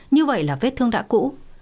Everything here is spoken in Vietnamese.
như vậy là vết thương đã cũ